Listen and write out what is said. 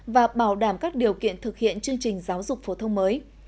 và bảo đảm các điều kiện thực hiện chương trình giáo dục phổ thông mới